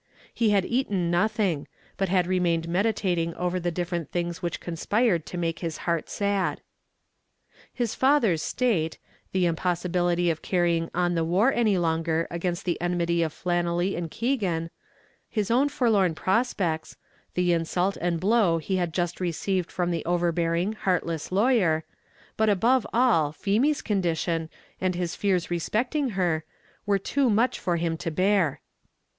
He had eaten nothing, but had remained meditating over the different things which conspired to make his heart sad. His father's state the impossibility of carrying on the war any longer against the enmity of Flannelly and Keegan his own forlorn prospects the insult and blow he had just received from the overbearing, heartless lawyer but, above all, Feemy's condition, and his fears respecting her, were too much for him to bear.